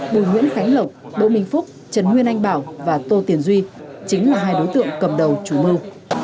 bùi nguyễn khánh lộc đỗ minh phúc trần nguyên anh bảo và tô tiền duy chính là hai đối tượng cầm đầu chủ mưu